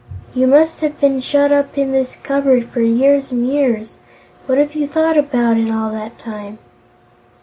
"You must have been shut up in this cupboard for years and years. What have you thought about, in all that time?"